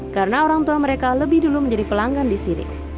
karena orang tua mereka lebih dulu menjadi pelanggan di sini